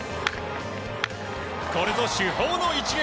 これぞ主砲の一撃。